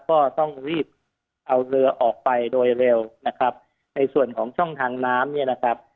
ก็ต้องรีบเอาเรือออกไปโดยเร็วนะครับในส่วนของช่องทางน้ำเนี่ยนะครับ